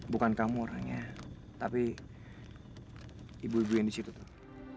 bukan kamu orangnya tapi ibu ibu yang di situ tuh